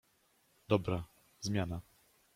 Dobra, zmiana